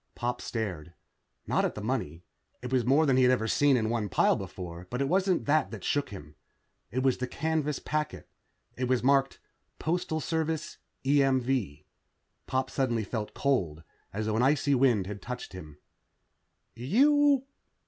Pop stared. Not at the money. It was more than he had ever seen in one pile before, but it wasn't that that shook him. It was the canvas packet. It was marked: Postal Service, EMV. Pop suddenly felt cold, as though an icy wind had touched him. "You